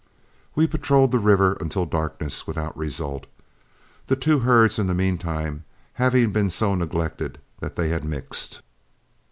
We patrolled the river until darkness without result, the two herds in the mean time having been so neglected that they had mixed.